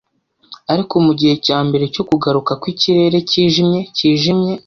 ariko mugihe cyambere cyo kugaruka kwikirere cyijimye cyijimye